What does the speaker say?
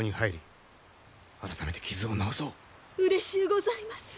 うれしゅうございます！